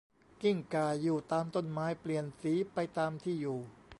กิ้งก่า อยู่ตามต้นไม้ เปลี่ยนสีไปตามที่อยู่